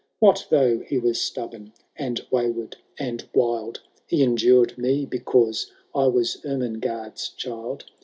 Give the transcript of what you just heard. What though he was stubborn, and wayward and wild. He endured me because I was Ermen^mie's child.